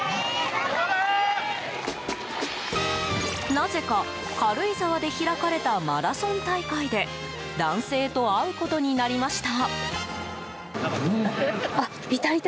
なぜか、軽井沢で開かれたマラソン大会で男性と会うことになりました。